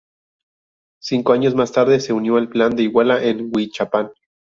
Cinco años más tarde se unió al Plan de Iguala en Huichapan.